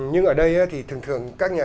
nhưng ở đây thì thường thường các nhà